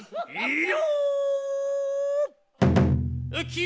・いよ！